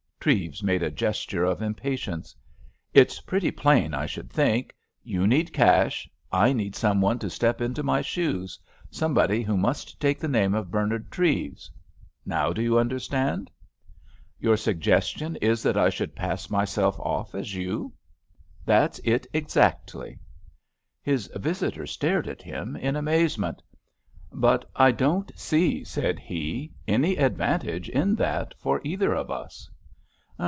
Treves made a gesture of impatience. "It's pretty plain, I should think. You need cash, I need some one to step into my shoes; somebody who must take the name of Bernard Treves. Now, do you understand?" "Your suggestion is that I should pass myself off as you?" "That's it exactly!" His visitor stared at him in amazement. "But I don't see," said he, "any advantage in that for either of us."